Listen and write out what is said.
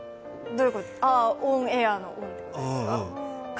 オンエアーのオンっていうことですか。